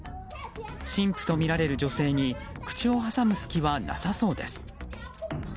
新婦とみられる女性に口を挟む隙はなさそうです。